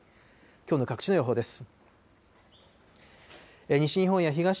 きょうの各地の予報です。